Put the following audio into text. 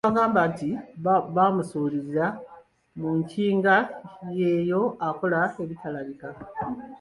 Omuntu gwe bagamba nti baamusuulira omukinga y’eyo akola ebitalabika.